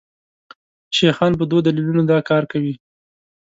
شیخان په دوو دلیلونو دا کار کوي.